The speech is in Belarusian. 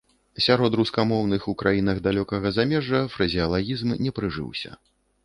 Сярод рускамоўных у краінах далёкага замежжа фразеалагізм не прыжыўся.